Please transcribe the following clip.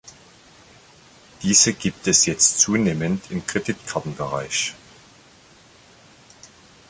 Diese gibt es jetzt zunehmend im Kreditkartenbereich.